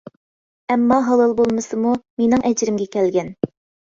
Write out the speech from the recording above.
ئەمما ھالال بولمىسىمۇ، مېنىڭ ئەجرىمگە كەلگەن.